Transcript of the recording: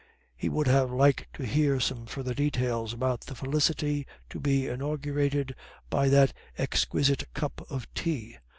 He would have liked to hear some further details about the felicity to be inaugurated by that exquisite cup of tea.